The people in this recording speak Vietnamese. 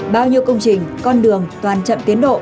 bao nhiêu công trình con đường toàn chậm tiến độ